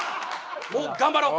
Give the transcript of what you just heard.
もう頑張ろう。